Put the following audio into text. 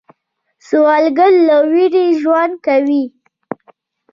سوالګر له ویرې ژوند کوي